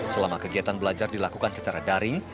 selama kegiatan belajar dilakukan secara daring